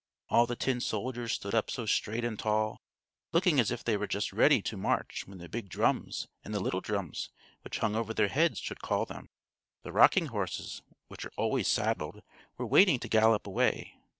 All the tin soldiers stood up so straight and tall, looking as if they were just ready to march when the big drums and the little drums, which hung over their heads, should call them. The rocking horses, which are always saddled, were waiting to gallop away.